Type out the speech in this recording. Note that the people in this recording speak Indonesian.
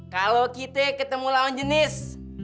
kalau kita ketemu lawan jenis